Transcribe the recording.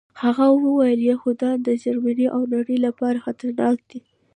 هغه وویل یهودان د جرمني او نړۍ لپاره خطرناک دي